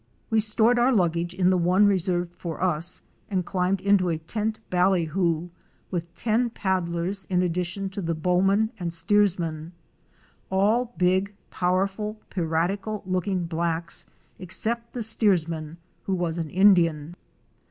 We stored our luggage in the one reserved for us and climbed into a tent ballyhoo with ten paddlers in addition to the bowman and steersman — all big, powerful, piratical looking blacks, ex cept the steersman, who was an Indian.